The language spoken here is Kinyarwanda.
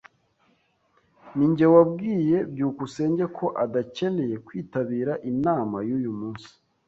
Ninjye wabwiye byukusenge ko adakeneye kwitabira inama yuyu munsi.